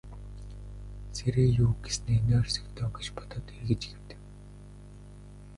Сэрээе юү гэснээ нойрсог доо гэж бодоод эргэж хэвтэв.